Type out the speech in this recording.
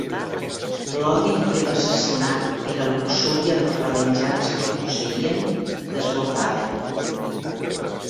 L'odi i l'assassinat i la luxúria per la venjança que posseïen desbordaven.